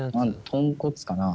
とんこつかな。